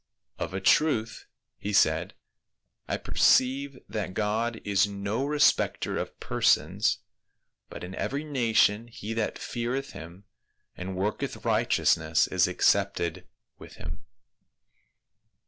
"' Of a truth,' he said, ' I perceive that God is no 184 PA UL. respecter of persons, but in every nation he that fear eth him, and worketh righteousness is accepted with him.'